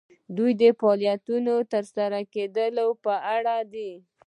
دوی د فعالیتونو د ترسره کیدو په اړه دي.